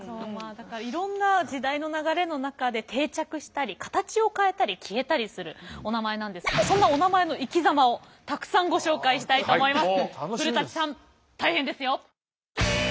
いろんな時代の流れの中で定着したり形を変えたり消えたりするおなまえなんですがそんなおなまえの生きざまをたくさんご紹介したいと思います。